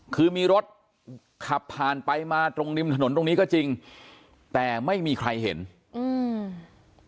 คือมีรถขับผ่านไปมาตรงริมถนนตรงนี้ก็จริงแต่ไม่มีใครเห็นอืม